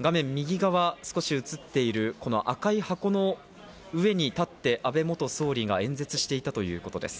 画面右側、少し映っているこの赤い箱の上に立って、安倍元総理が演説をしていたということです。